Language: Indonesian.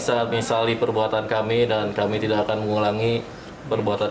sangat menyesali perbuatan kami dan kami tidak akan mengulangi perbuatan